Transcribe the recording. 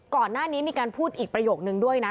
ก่อนหน้านี้มีการพูดอีกประโยคนึงด้วยนะ